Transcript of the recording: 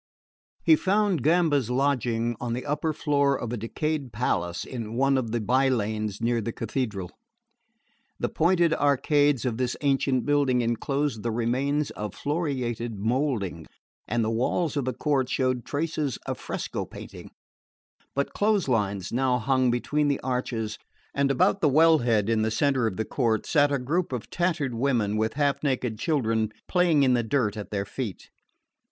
He found Gamba's lodging on the upper floor of a decayed palace in one of the by lanes near the Cathedral. The pointed arcades of this ancient building enclosed the remains of floriated mouldings, and the walls of the court showed traces of fresco painting; but clothes lines now hung between the arches, and about the well head in the centre of the court sat a group of tattered women with half naked children playing in the dirt at their feet.